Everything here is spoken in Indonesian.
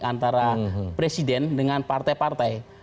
antara presiden dengan partai partai